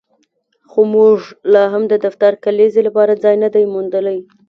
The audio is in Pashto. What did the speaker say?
خو موږ لاهم د دفتر د کلیزې لپاره ځای نه دی موندلی